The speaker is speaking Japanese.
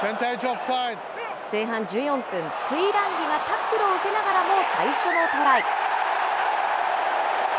前半１４分、トゥイランギがタックルを受けながらも最初のトライ。